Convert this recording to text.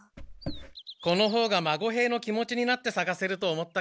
このほうが孫兵の気持ちになってさがせると思ったから。